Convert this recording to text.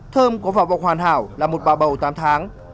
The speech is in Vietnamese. thơm có vào vọc hoàn hảo là một bà bầu tám tháng